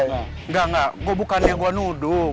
enggak enggak gue bukannya gue nuduh